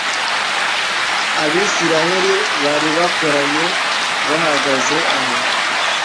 abisiraheli bari bakoranye bahagaze aho